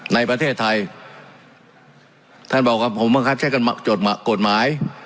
ในประเทศไทยท่านบอกว่าผมบังคับใช้กันจดกฎหมาย